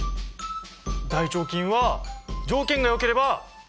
大腸菌は条件がよければ２０分。